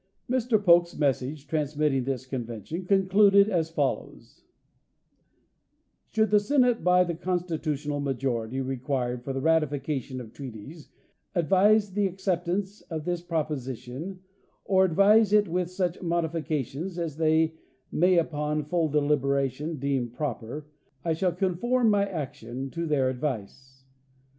Mr Polk's message transmitting this con vention concluded as follows: '"Should the Senate by the constitutional majority required for the ratification of treaties advise the acceptance of this proposition or advise it with such modifications as they may upon full deliberation deem proper, Abandonment of rich Territory 259 T shall conform my action to their advice.